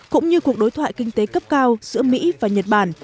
cũng như cuộc đối thoại kinh tế cấp cao giữa mỹ và nhật bản